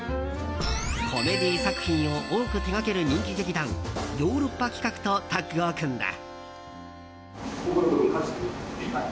コメディー作品を多く手掛ける人気劇団ヨーロッパ企画とタッグを組んだ。